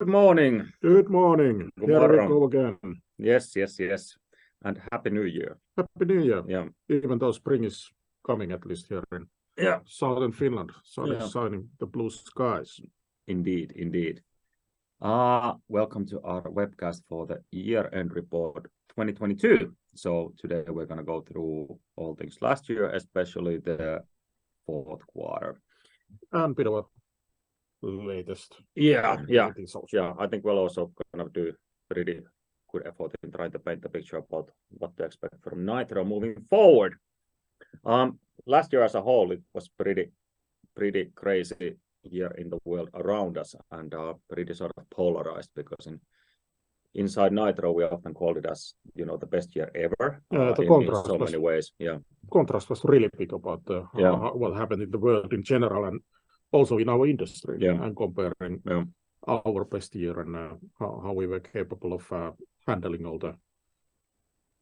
Good morning. Good morning. Good morning. Here we go again. Yes, yes. Happy New Year. Happy New Year. Yeah. Even though spring is coming, at least here. Yeah Southern Finland. Yeah. Sun is shining, the blue skies. Indeed. Welcome to our webcast for the year-end report 2022. Today, we're gonna go through all things last year, especially the fourth quarter. Bit of the latest. Yeah, yeah. Other things also. Yeah. I think we'll also kind of do pretty good effort in trying to paint the picture about what to expect from Nitro moving forward. Last year as a whole, it was pretty crazy year in the world around us and pretty sort of polarized because inside Nitro we often called it as, you know, the best year ever. The contrast. In so many ways. Yeah. Contrast was really big about what happened in the world in general and also in our industry. Yeah, and comparing our best year and how we were capable of handling all.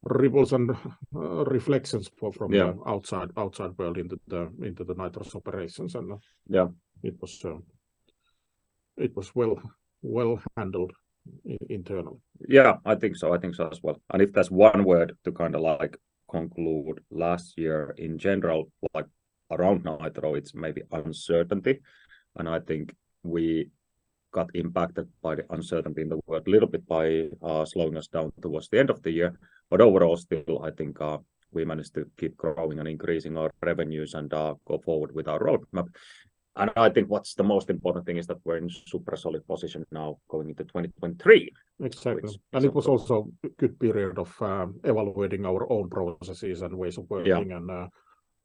Ripples and reflections for outside world into the Nitro's operations and. Yeah. it was well-handled internally. Yeah. I think so. I think so as well. If there's one word to kinda like conclude last year in general, like around Nitro, it's maybe uncertainty, and I think we got impacted by the uncertainty in the world, a little bit by slowing us down towards the end of the year. Overall, still, I think, we managed to keep growing and increasing our revenues and go forward with our roadmap. I think what's the most important thing is that we're in super solid position now going into 2023. Exactly. It was also a good period of evaluating our own processes and ways of working. Yeah.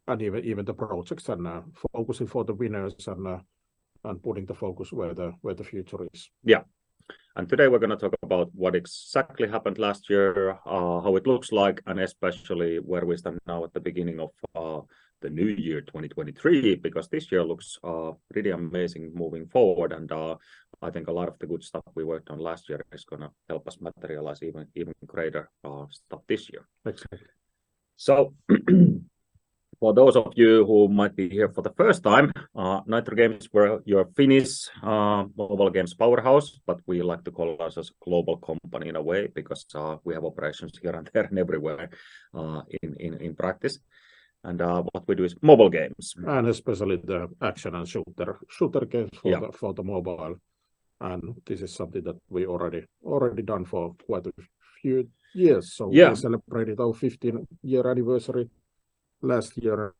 And even the projects and focusing for the winners and putting the focus where the future is. Yeah. Today we're gonna talk about what exactly happened last year, how it looks like, and especially where we stand now at the beginning of the new year, 2023, because this year looks really amazing moving forward and I think a lot of the good stuff we worked on last year is gonna help us materialize even greater stuff this year. Exactly. For those of you who might be here for the first time, Nitro Games, we're your Finnish mobile games powerhouse, but we like to call ourselves as global company in a way because we have operations here and there and everywhere in practice, and what we do is mobile games. Especially the action and shooter games for the mobile, and this is something that we already done for quite a few years. Yeah. We celebrated our 15-year anniversary last year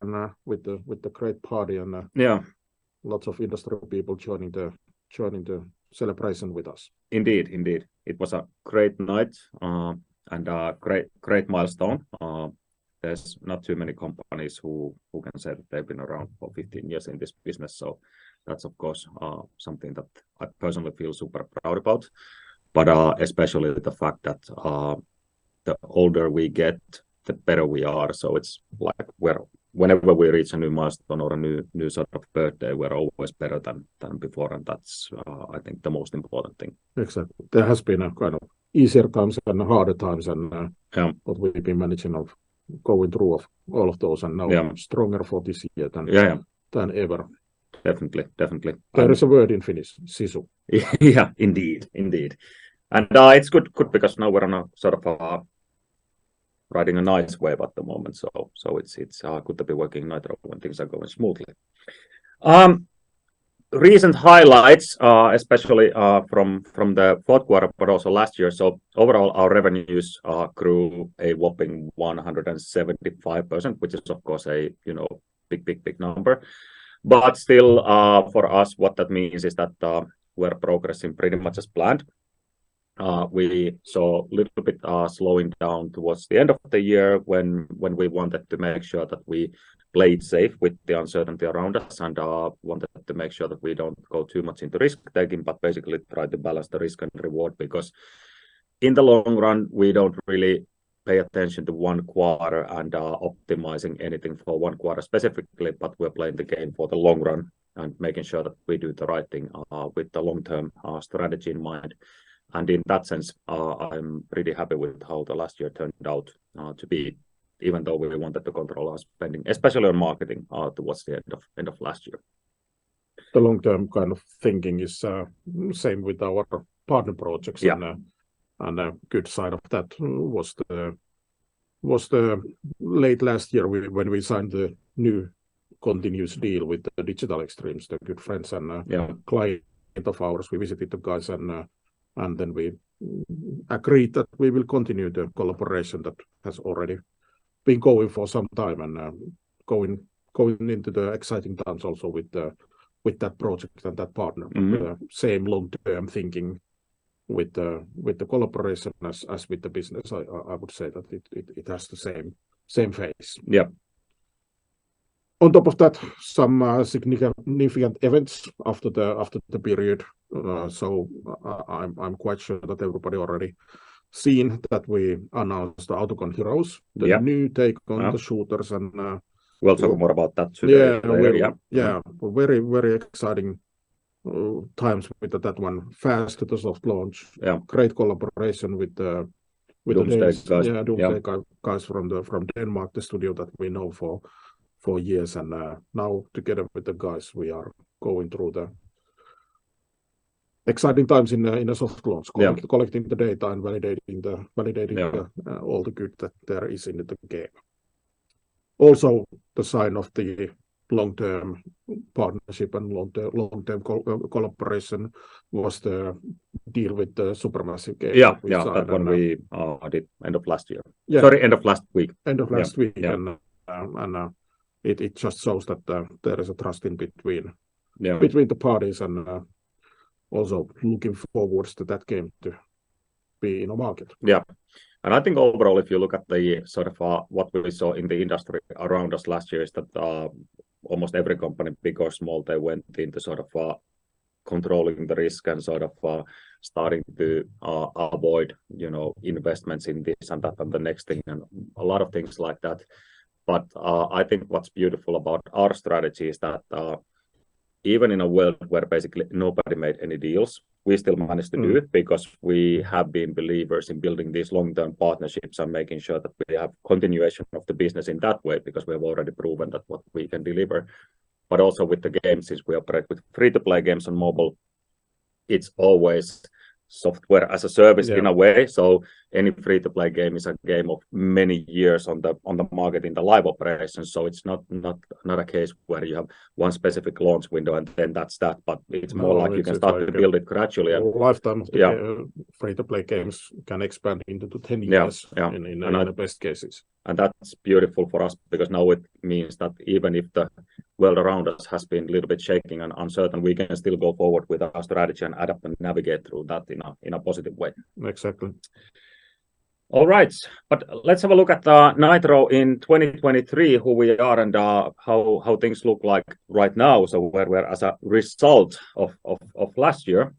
with the great party and lots of industrial people joining the celebration with us. Indeed. Indeed. It was a great night, great milestone. There's not too many companies who can say that they've been around for 15 years in this business. That's of course, something that I personally feel super proud about. Especially the fact that the older we get, the better we are. It's like whenever we reach a new milestone or a new sort of birthday, we're always better than before. That's, I think the most important thing. Exactly. There has been kind of easier times and harder times and we've been managing of going through all of those and now stronger for this year than ever. Definitely. Definitely. There is a word in Finnish, sisu. Yeah. Indeed, indeed. It's good because now we're on a sort of riding a nice wave at the moment, so it's good to be working Nitro when things are going smoothly. Recent highlights, especially from the fourth quarter, but also last year. Overall, our revenues grew a whopping 175%, which is of course a, you know, big number. Still, for us, what that means is that we're progressing pretty much as planned. We saw little bit slowing down towards the end of the year when we wanted to make sure that we played safe with the uncertainty around us and wanted to make sure that we don't go too much into risk-taking, but basically try to balance the risk and reward because in the long run, we don't really pay attention to one quarter and optimizing anything for one quarter specifically, but we're playing the game for the long run and making sure that we do the right thing with the long-term strategy in mind. In that sense, I'm pretty happy with how the last year turned out to be, even though we wanted to control our spending, especially on marketing towards the end of last year. The long-term kind of thinking is, same with our partner projects. Yeah. A good side of that was the late last year when we signed the new continuous deal with the Digital Extremes, the good friends and client of ours. We visited the guys and then we agreed that we will continue the collaboration that has already been going for some time and, going into the exciting times also with that project and that partner. Mm-hmm. Same long-term thinking with the collaboration as with the business, I would say that it has the same phase. Yeah. On top of that, some significant events after the period. I'm quite sure that everybody already seen that we announced the Autogun Heroes. Yeah. The new take. Yeah. The shooters and we'll talk more about that soon. Very, very exciting times with that one. Fast with the soft launch. Great collaboration with the guys. Doomsday guys. Yeah. Yeah, Doomsday guys from Denmark, the studio that we know for years. Now together with the guys, we are going through the exciting times in the soft launch. We are collecting the data and validating all the good that there is in the game. Also, the sign of the long-term partnership and long-term collaboration was the deal with the Supermassive Games game. Yeah, yeah, that one we did end of last year. Yeah. Sorry, end of last week. End of last week. Yeah, yeah. It just shows that, there is a trust in between the parties and, also looking forwards to that game to be in the market. Yeah. I think overall, if you look at the sort of, what we saw in the industry around us last year is that, almost every company, big or small, they went into sort of, controlling the risk and sort of, starting to, avoid, you know, investments in this and that and the next thing, and a lot of things like that. I think what's beautiful about our strategy is that even in a world where basically nobody made any deals, we still managed to do it because we have been believers in building these long-term partnerships and making sure that we have continuation of the business in that way, because we have already proven that what we can deliver. Also with the games is we operate with free-to-play games on mobile, it's always Software as a Service in a way. Any free-to-play game is a game of many years on the market in the live operation. It's not a case where you have one specific launch window and then that's that, but it's more like you can start to build it gradually. Lifetime. Free-to-play games can expand into ten years in the best cases. That's beautiful for us because now it means that even if the world around us has been a little bit shaking and uncertain, we can still go forward with our strategy and adapt and navigate through that in a positive way. Exactly. All right. Let's have a look at Nitro in 2023, who we are and how things look like right now. Where we're as a result of last year,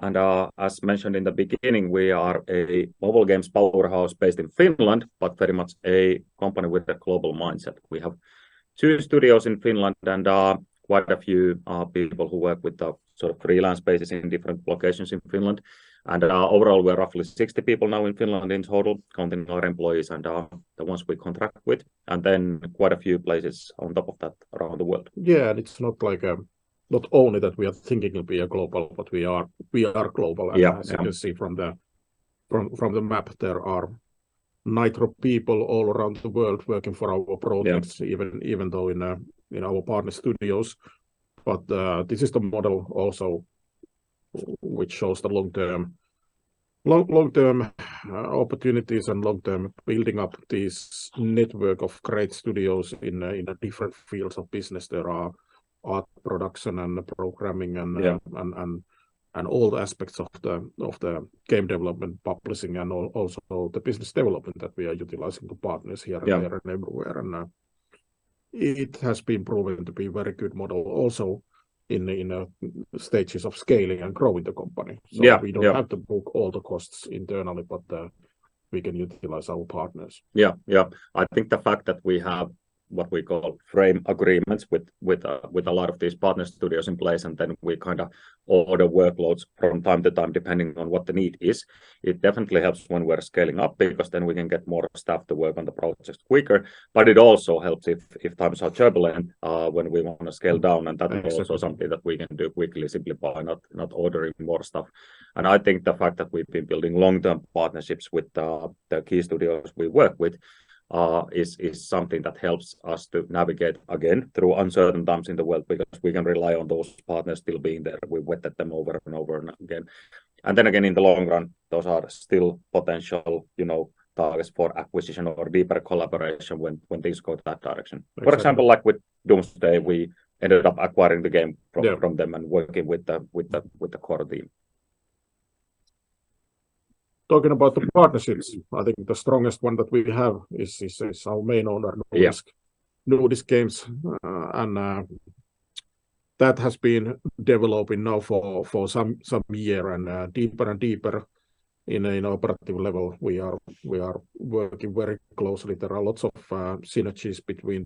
and as mentioned in the beginning, we are a mobile games powerhouse based in Finland, but very much a company with a global mindset. We have two studios in Finland and quite a few people who work with the sort of freelance basis in different locations in Finland. Overall, we're roughly 60 people now in Finland in total, counting our employees and the ones we contract with, and then quite a few places on top of that around the world. Yeah. It's not like, not only that we are thinking we are global, but we are global. As you can see from the map, there are Nitro people all around the world working for our products, even though in our partner studios. This is the model also which shows the long-term opportunities and long-term building up this network of great studios in the different fields of business. There are art production and programming and all aspects of the game development, publishing, and also the business development that we are utilizing the partners here, there and everywhere. It has been proven to be very good model also in stages of scaling and growing the company. Yeah. Yeah. We don't have to book all the costs internally, but, we can utilize our partners. Yeah. Yeah. I think the fact that we have what we call frame agreements with a lot of these partner studios in place, we kinda order workloads from time to time depending on what the need is, it definitely helps when we're scaling up because then we can get more stuff to work on the projects quicker. It also helps if times are turbulent when we wanna scale down, that is also something that we can do quickly simply by not ordering more stuff. I think the fact that we've been building long-term partnerships with the key studios we work with is something that helps us to navigate again through uncertain times in the world because we can rely on those partners still being there. We vetted them over and over and again. Then again, in the long run, those are still potential, you know, targets for acquisition or deeper collaboration when things go that direction. Exactly. For example, like with Doomsday, we ended up acquiring the game from them and working with the core team. Talking about the partnerships, I think the strongest one that we have is our main one on Nordisk Games. That has been developing now for some year and deeper and deeper in a operative level. We are working very closely. There are lots of synergies between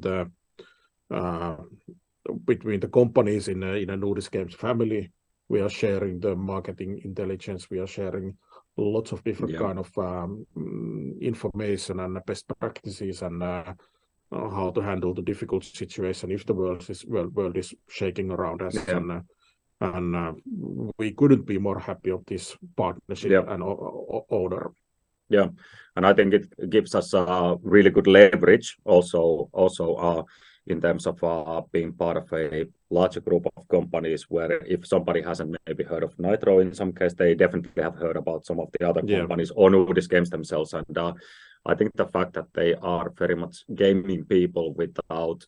the companies in a Nordisk Games family. We are sharing the marketing intelligence. We are sharing lots of different, kind of, information and best practices on how to handle the difficult situation if the world is shaking around us. Yeah. We couldn't be more happy of this partnership. Yeah, and owner. Yeah. I think it gives us really good leverage also, in terms of being part of a larger group of companies where if somebody hasn't maybe heard of Nitro in some case, they definitely have heard about some of the other companies or Nordisk Games themselves. I think the fact that they are very much gaming people without,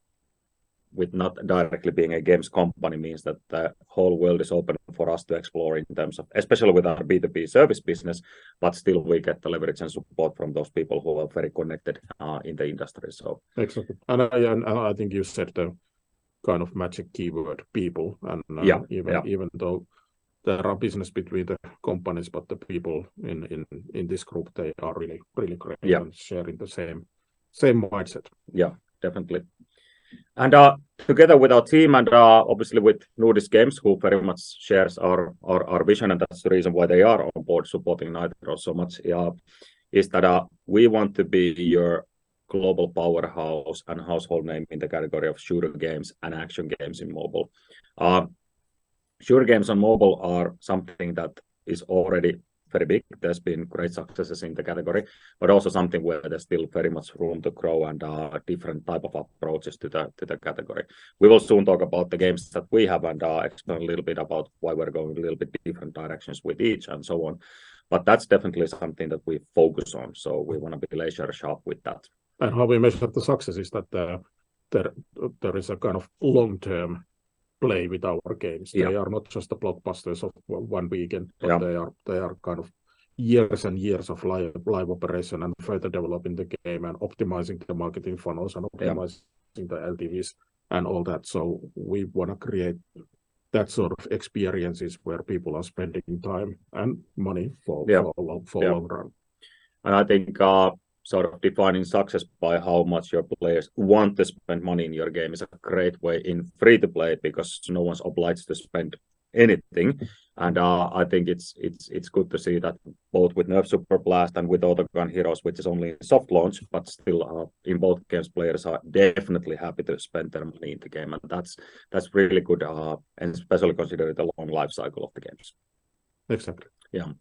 with not directly being a games company means that the whole world is open for us to explore in terms of, especially with our B2B service business, but still we get the leverage and support from those people who are very connected, in the industry. Exactly. I think you said the kind of magic keyword, people. Yeah. Yeah. Even though there are business between the companies, but the people in this group, they are really great. Yeah. And sharing the same mindset. Yeah, definitely. Together with our team and obviously with Nordisk Games, who very much shares our vision, and that's the reason why they are on board supporting Nitro so much, is that we want to be your global powerhouse and household name in the category of shooter games and action games in mobile. Shooter games on mobile are something that is already very big. There's been great successes in the category, but also something where there's still very much room to grow and different type of approaches to the category. We will soon talk about the games that we have and explain a little bit about why we're going a little bit different directions with each and so on. That's definitely something that we focus on, so we wanna be laser sharp with that. How we measure the success is that, there is a kind of long-term play with our games. They are not just the blockbusters of one week. They are kind of years and years of live operation, and further developing the game and optimizing the marketing funnels, the LTVs and all that. We wanna create that sort of experiences where people are spending time and money for the longer run. Yeah. I think, sort of defining success by how much your players want to spend money in your game is a great way in free-to-play because no one's obliged to spend anything. I think it's good to see that both with NERF: Superblast and with Autogun Heroes, which is only in soft launch, but still, in both games players are definitely happy to spend their money in the game, and that's really good, and especially considering the long life cycle of the games. Exactly. Yeah.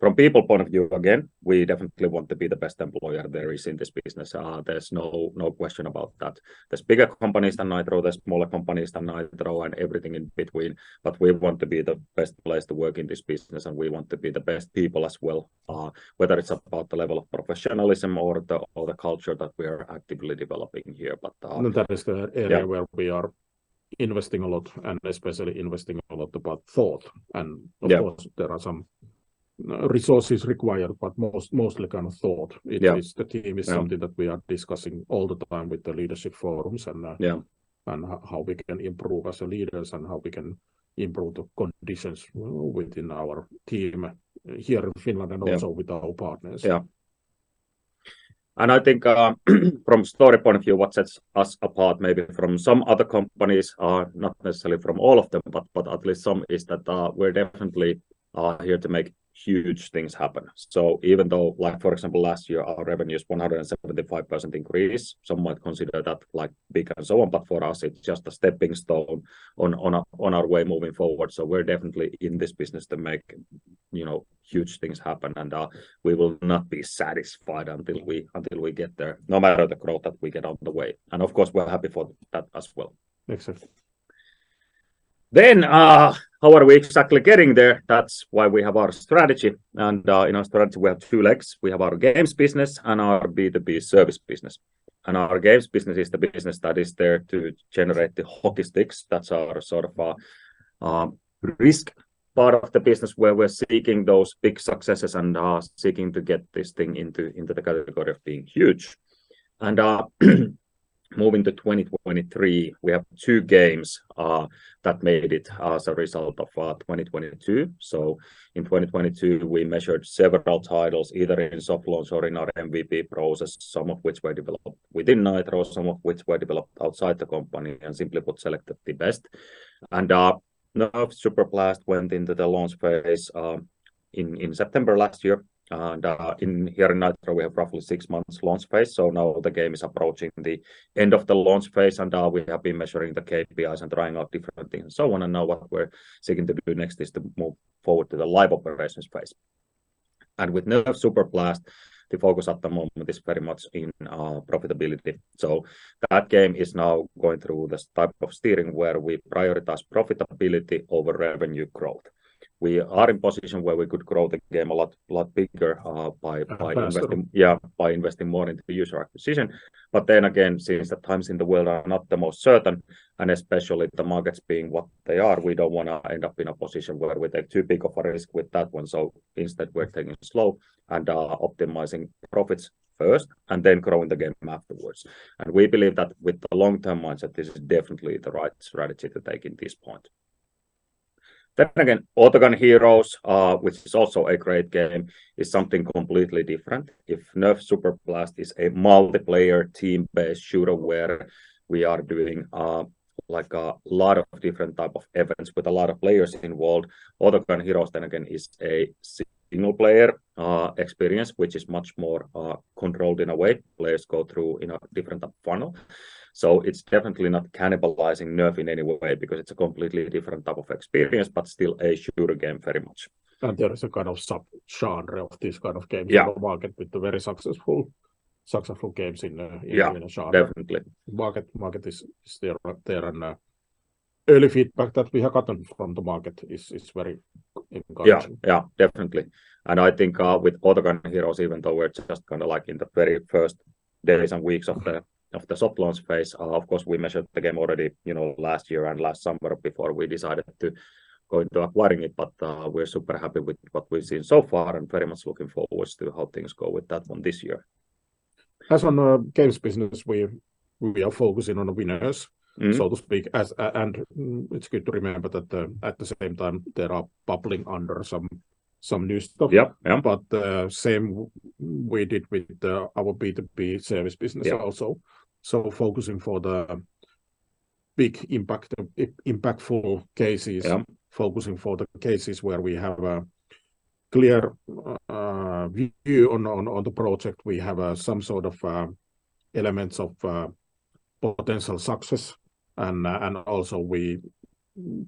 From people point of view, again, we definitely want to be the best employer there is in this business. There's no question about that. There's bigger companies than Nitro, there's smaller companies than Nitro, and everything in between. We want to be the best place to work in this business, and we want to be the best people as well, whether it's about the level of professionalism or the culture that we are actively developing here. No, that is where we are investing a lot, and especially investing a lot about thought. Yeah. Of course, there are some resources required, but mostly kind of thought. It is the team is something that we are discussing all the time with the leadership forums, and how we can improve as leaders and how we can improve the conditions within our team here in Finland. Also with our partners. Yeah. I think, from story point of view, what sets us apart maybe from some other companies, not necessarily from all of them, but at least some, is that we're definitely here to make huge things happen. Even though, like for example, last year our revenue is 175% increase, some might consider that, like, big and so on, but for us it's just a stepping stone on our way moving forward. We're definitely in this business to make, you know, huge things happen, and we will not be satisfied until we get there, no matter the growth that we get on the way. Of course, we're happy for that as well. Exactly. How are we exactly getting there? That's why we have our strategy, in our strategy we have two legs. We have our games business and our B2B service business. Our games business is the business that is there to generate the hockey sticks. That's our sort of risk part of the business where we're seeking those big successes seeking to get this thing into the category of being huge. Moving to 2023, we have two games that made it as a result of 2022. In 2022, we measured several titles, either in soft launch or in our MVP process, some of which were developed within Nitro, some of which were developed outside the company, and simply put, selected the best. NERF: Superblast went into the launch phase in September last year. In here in Nitro, we have roughly six months launch phase, now the game is approaching the end of the launch phase, and we have been measuring the KPIs and trying out different things. I wanna know what we're seeking to do next is to move forward to the live operations phase. With NERF: Superblast, the focus at the moment is very much in profitability. That game is now going through this type of steering where we prioritize profitability over revenue growth. We are in position where we could grow the game a lot bigger, by investing. By investing. Yeah, by investing more into the user acquisition. Since the times in the world are not the most certain, and especially the markets being what they are, we don't wanna end up in a position where we take too big of a risk with that one. Instead, we're taking it slow and optimizing profits first, and then growing the game afterwards. We believe that with the long-term mindset, this is definitely the right strategy to take in this point. Autogun Heroes, which is also a great game, is something completely different. If NERF: Superblast is a multiplayer team-based shooter where we are doing like a lot of different type of events with a lot of players involved, Autogun Heroes then again is a single player experience, which is much more controlled in a way. Players go through in a different funnel. It's definitely not cannibalizing NERF in any way because it's a completely different type of experience, but still a shooter game very much. There is a kind of sub-genre of this kind of game in the market with the very successful games in the genre. Definitely. Market is there, and early feedback that we have gotten from the market is very encouraging. Yeah. Yeah, definitely. I think, with Autogun Heroes, even though we're just kinda like in the very first days and weeks of the soft launch phase, of course, we measured the game already, you know, last year and last summer before we decided to go into acquiring it. We're super happy with what we've seen so far and very much looking forward to how things go with that one this year. As on the games business, we are focusing on the winners, so to speak. And it's good to remember that, at the same time, there are bubbling under some new stuff. Yep. Yep. The same we did with, our B2B service business. Yeah. Also focusing for the big impactful cases. Yeah. Focusing for the cases where we have a clear view on the project. We have some sort of elements of potential success. Also, we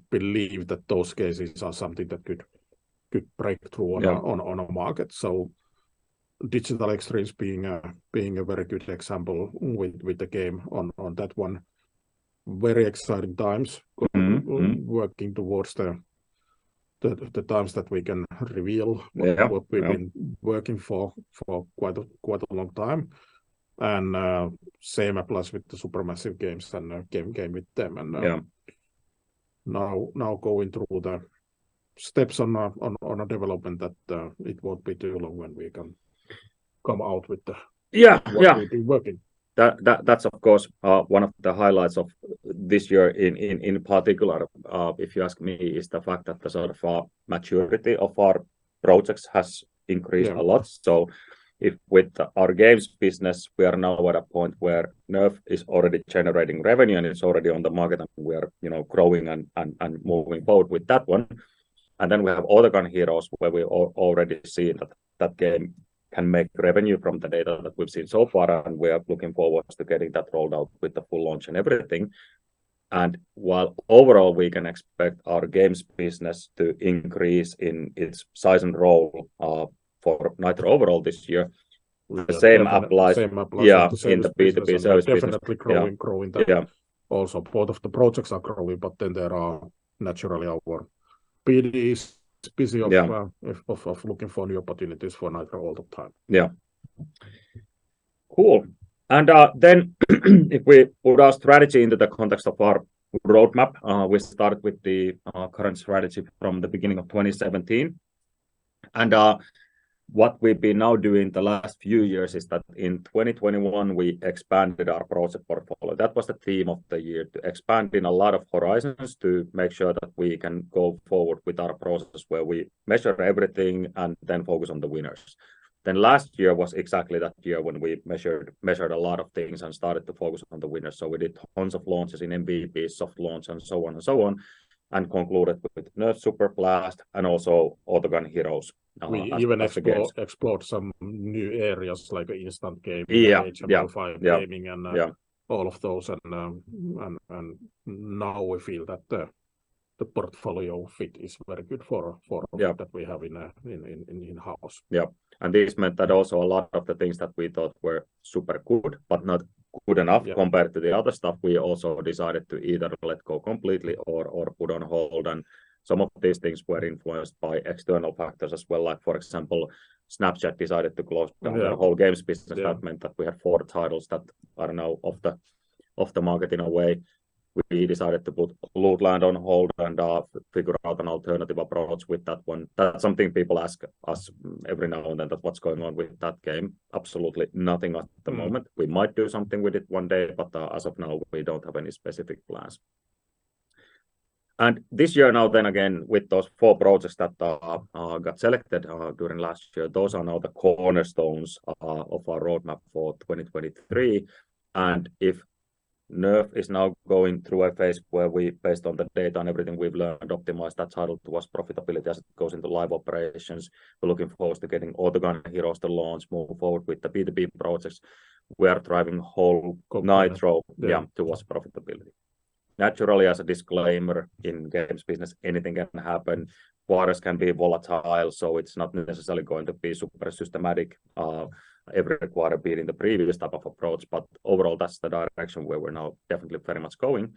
believe that those cases are something that could break through on a market. Digital Extremes being a very good example with the game on that one. Very exciting times working towards the times that we can, what we've been working for quite a long time. Same applies with the Supermassive Games and, game with them. Yeah. Now going through the steps on a development that it won't be too long when we can come out with what we've been working. That's of course, one of the highlights of this year in particular, if you ask me, is the fact that the sort of our maturity of our projects has increased a lot. Yeah. If with our games business, we are now at a point where NERF is already generating revenue and it's already on the market and we are, you know, growing and moving forward with that one. Then we have Autogun Heroes where we already seeing that that game can make revenue from the data that we've seen so far and we are looking forward to getting that rolled out with the full launch and everything. While overall we can expect our games business to increase in its size and role for Nitro overall this year, the same applies. Same applies. Yeah. In the B2B service business. Definitely growing there. Yeah. Both of the projects are growing, but then there are naturally our B2B is busy. Yeah. Looking for new opportunities for Nitro all the time. Yeah. Cool. Then if we put our strategy into the context of our roadmap, we started with the current strategy from the beginning of 2017. What we've been now doing the last few years is that in 2021 we expanded our project portfolio. That was the theme of the year, to expand in a lot of horizons to make sure that we can go forward with our process where we measure everything and then focus on the winners. Last year was exactly that year when we measured a lot of things and started to focus on the winners. We did tons of launches in MVP, soft launch, and so on and so on, and concluded with NERF: Superblast and also Autogun Heroes as the games. We even explored some new areas like instant gaming. Yeah, yeah. HTML5 gaming. Yeah, yeah. All of those, now we feel that the portfolio fit is very good for what we have in-house. Yeah. This meant that also a lot of the things that we thought were super good, but not good enough compared to the other stuff, we also decided to either let go completely or put on hold. Some of these things were influenced by external factors as well. Like for example, Snapchat decided to close down their whole games business. Yeah. That meant that we had four titles that are now off the market in a way. We decided to put Lootland on hold and figure out an alternative approach with that one. That's something people ask us every now and then, that what's going on with that game? Absolutely nothing at the moment. We might do something with it one day, but as of now, we don't have any specific plans. This year now then again, with those four projects that got selected during last year, those are now the cornerstones of our roadmap for 2023. If NERF is now going through a phase where we, based on the data and everything we've learned, optimize that title towards profitability as it goes into live operations, we're looking forward to getting Autogun Heroes to launch, move forward with the B2B projects. We are driving whole Nitro towards profitability. Naturally, as a disclaimer, in games business, anything can happen. Waters can be volatile, so it's not necessarily going to be super systematic, every quarter beating the previous type of approach, but overall that's the direction where we're now definitely very much going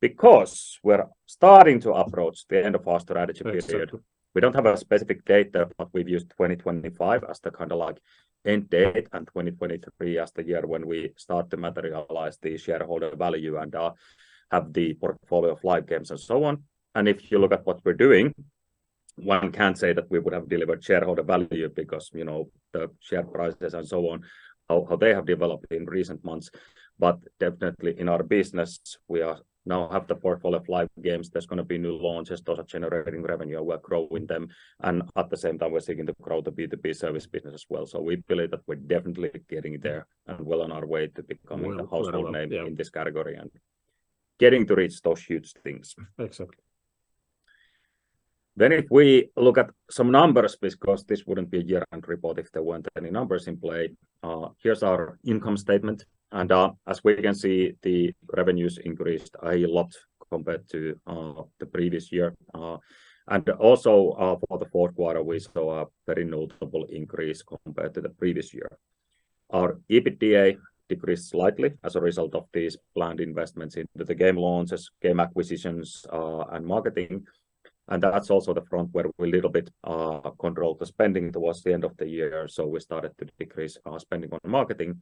because we're starting to approach the end of our strategy period. Exactly. We don't have a specific date there, we've used 2025 as the kinda like end date and 2023 as the year when we start to materialize the shareholder value and have the portfolio of live games and so on. If you look at what we're doing, one can say that we would have delivered shareholder value because, you know, the share prices and so on, how they have developed in recent months. Definitely in our business, we are now have the portfolio of live games. There's gonna be new launches, those are generating revenue, and we're growing them. At the same time we're seeking to grow the B2B service business as well. We believe that we're definitely getting there. Well on our way. Yeah. Well on our way to becoming a household name in this category and getting to reach those huge things. Exactly. If we look at some numbers, because this wouldn't be a year-end report if there weren't any numbers in play, here's our income statement. As we can see, the revenues increased a lot compared to the previous year. Also, for the fourth quarter, we saw a very notable increase compared to the previous year. Our EBITDA decreased slightly as a result of these planned investments into the game launches, game acquisitions, and marketing, and that's also the front where we a little bit controlled the spending towards the end of the year. We started to decrease our spending on marketing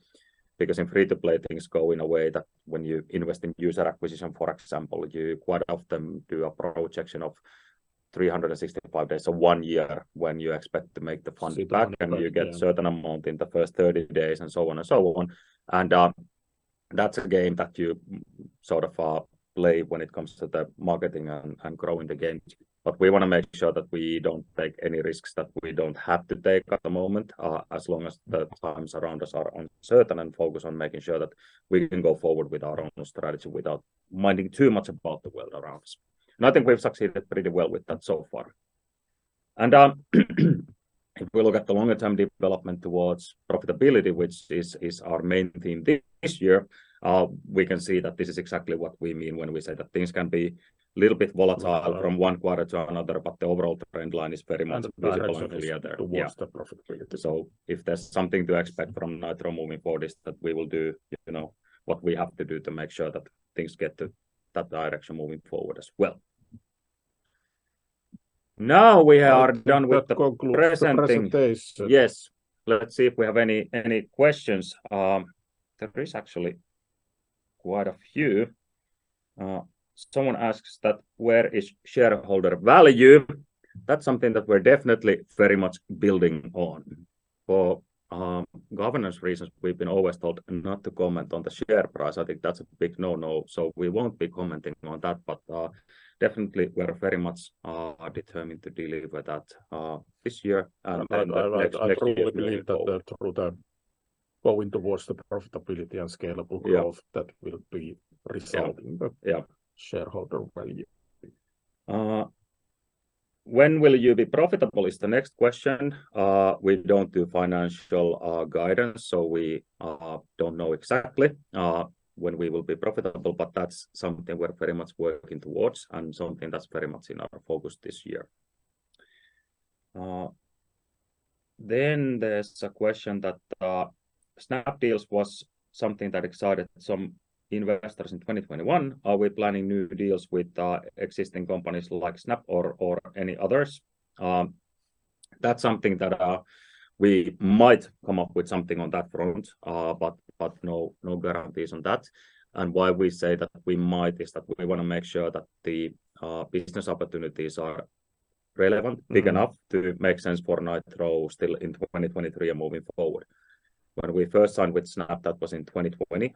because in free-to-play things go in a way that when you invest in user acquisition, for example, you quite often do a projection of 365 days or one year when you expect to make the funding back. Super back. Yeah. And you get certain amount in the first 30 days and so on and so on. That's a game that you sort of play when it comes to the marketing and growing the game. We wanna make sure that we don't take any risks that we don't have to take at the moment, as long as the times around us are uncertain, and focus on making sure that we can go forward with our own strategy without minding too much about the world around us. I think we've succeeded pretty well with that so far. If we look at the longer term development towards profitability, which is our main theme this year, we can see that this is exactly what we mean when we say that things can be a little bit volatile from one quarter to another, but the overall trend line is very much valuable and clear there. The direction is towards the profitability. Yeah. If there's something to expect from Nitro moving forward is that we will do, you know, what we have to do to make sure that things get to that direction moving forward as well. Now we are done with the presenting. That concludes the presentation. Yes. Let's see if we have any questions. There is actually quite a few. Someone asks that, where is shareholder value? That's something that we're definitely very much building on. For governance reasons, we've been always told not to comment on the share price. I think that's a big no-no, so we won't be commenting on that. Definitely we're very much determined to deliver that this year and next year and the year after. I probably believe that going towards the profitability and scalable growth. Yeah. That will be the shareholder value. When will you be profitable, is the next question. We don't do financial guidance, so we don't know exactly when we will be profitable, but that's something we're very much working towards and something that's very much in our focus this year. There's a question that Snap deals was something that excited some investors in 2021. Are we planning new deals with existing companies like Snap or any others? That's something that we might come up with something on that front, but no guarantees on that. Why we say that we might is that we wanna make sure that the business opportunities are relevant, big enough to make sense for Nitro still in 2023 and moving forward. When we first signed with Snap, that was in 2020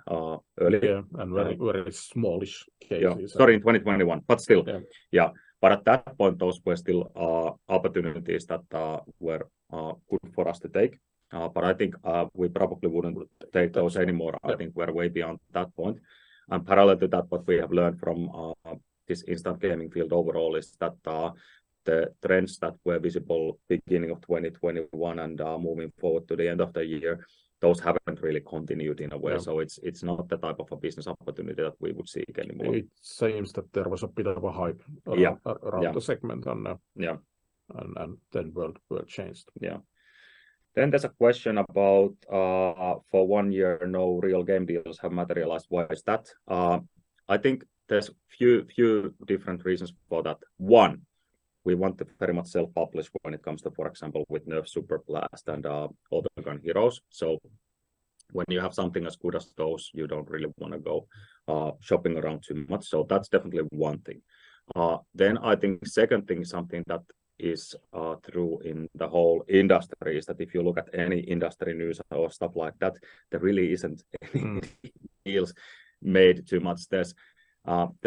earlier. Yeah. Very small-ish cases. Yeah. Sorry, in 2021, but still. Yeah. Yeah. At that point, those were still opportunities that were good for us to take. I think, we probably wouldn't take those anymore. I think we're way beyond that point. Parallel to that, what we have learned from this instant gaming field overall is that the trends that were visible beginning of 2021 and moving forward to the end of the year, those haven't really continued in a way. Yeah. It's not the type of a business opportunity that we would seek anymore. It seems that there was a bit of a hype around the segment and. Yeah. Then world changed. Yeah. There's a question about, for one year, no real game deals have materialized, why is that? I think there's few different reasons for that. One, we want to very much self-publish when it comes to, for example, with NERF: Superblast and Autogun Heroes. When you have something as good as those, you don't really wanna go shopping around too much. That's definitely one thing. I think second thing is something that is true in the whole industry, is that if you look at any industry news or stuff like that, there really isn't any deals made too much. There's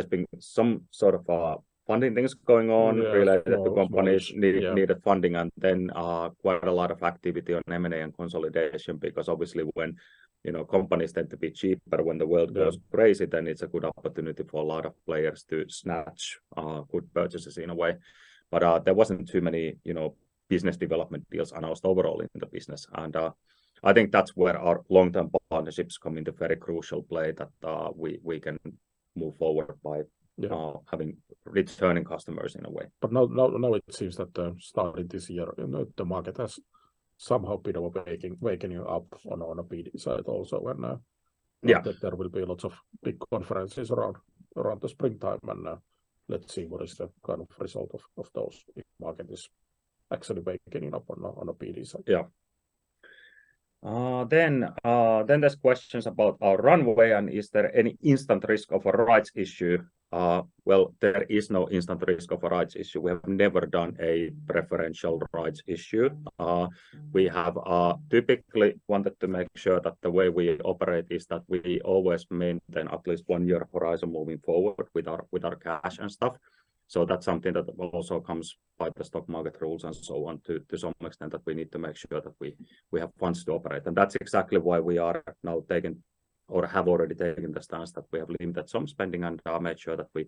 been some sort of funding things going on related to companies needing funding, and then, quite a lot of activity on M&A and consolidation because obviously when, you know, companies tend to be cheap, but when the world goes crazy, then it's a good opportunity for a lot of players to snatch good purchases in a way. There wasn't too many, you know, business development deals announced overall in the business. I think that's where our long-term partnerships come into very crucial play, that, we can move forward by having returning customers in a way. Now it seems that, starting this year, you know, the market has somehow been awakening, wakening up on a BD side also. Yeah. There will be lots of big conferences around the springtime. Let's see what is the kind of result of those if market is actually wakening up on a B2B side. Yeah. There's questions about our runway, and is there any instant risk of a rights issue? Well, there is no instant risk of a rights issue. We have never done a preferential rights issue. We have typically wanted to make sure that the way we operate is that we always maintain at least one year horizon moving forward with our cash and stuff. That's something that also comes by the stock market rules and so on to some extent, that we need to make sure that we have funds to operate. That's exactly why we are now taking, or have already taken the stance that we have limited some spending and made sure that we